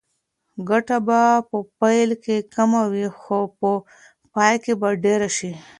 ګټه به په پیل کې کمه وي خو په پای کې به ډېره شي.